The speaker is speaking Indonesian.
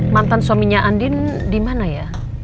mantan suaminya andin di mana ya